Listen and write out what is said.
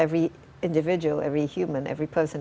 karena anda berumur sembilan belas tahun sekarang